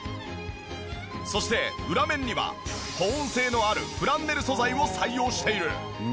そして裏面には保温性のあるフランネル素材を採用している。